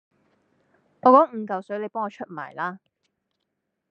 我嗰五嚿水你幫我出埋啦